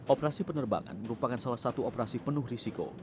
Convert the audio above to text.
operasi penerbangan merupakan salah satu operasi penuh risiko